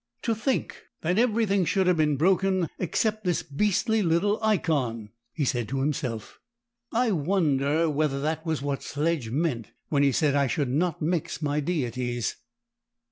"To think that everything should have been broken except this beastly little Ikon!" he said to himself. "I wonder whether that was what Sledge meant when he said I should not mix my deities."